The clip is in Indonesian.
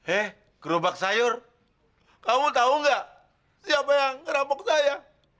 eh gerobak sayur kamu tahu nggak siapa yang ngerabak kaya